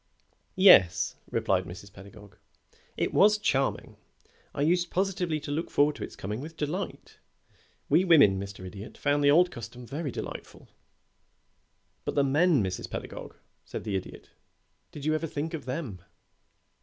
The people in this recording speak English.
"Yes," replied Mrs. Pedagog. "It was charming. I used positively to look forward to its coming with delight. We women, Mr. Idiot, found the old custom very delightful." "But the men, Mrs. Pedagog," said the Idiot, "did you ever think of them?"